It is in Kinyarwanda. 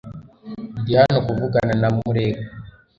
Ndi hano kuvugana na Murego .